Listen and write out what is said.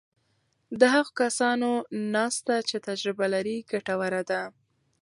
د هغو کسانو ناسته چې تجربه لري ګټوره ده.